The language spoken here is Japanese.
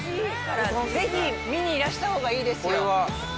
ぜひ見にいらした方がいいですよ。